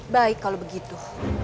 baik kalau begitu